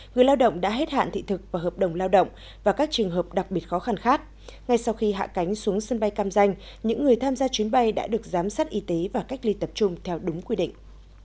người lao động đã hết hạn thị thực và hợp đồng lao động và các trường hợp đặc biệt khó khăn khác ngay sau khi hạ cánh xuống sân bay cam danh những người tham gia chuyến bay đã được giám sát y tế và cách ly tập trung theo đúng quy định